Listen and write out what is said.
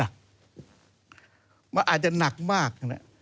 อาจจะหนักมาก